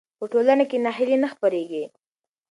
په ټولنه کې ناهیلي نه خپرېږي.